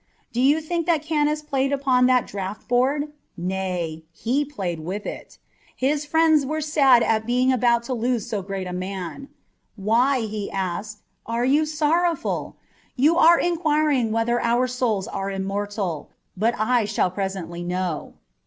Do you think that Kanus played upon that draught board ? nay, he played with it. His friends were sad at being about to lose so great a man :" Why," asked he, " are you sorrowful ? you are enquiring whether our souls are immortal, but I shall presently know."